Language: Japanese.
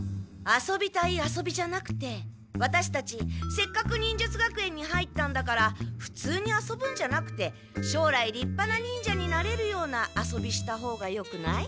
遊びたい遊びじゃなくてワタシたちせっかく忍術学園に入ったんだからふつうに遊ぶんじゃなくてしょうらい立派な忍者になれるような遊びしたほうがよくない？